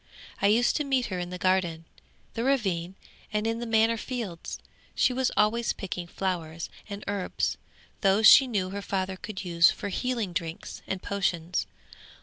I used to meet her in the garden, the ravine, and in the manor fields. She was always picking flowers and herbs, those she knew her father could use for healing drinks and potions.